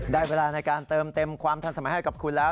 เวลาในการเติมเต็มความทันสมัยให้กับคุณแล้ว